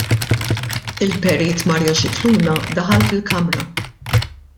Il-Perit Mario Scicluna daħal fil-Kamra.